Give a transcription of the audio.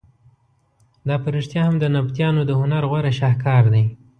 دا په رښتیا هم د نبطیانو د هنر غوره شهکار دی.